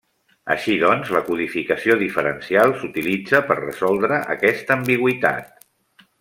Així doncs, la codificació diferencial s'utilitza per resoldre aquesta ambigüitat.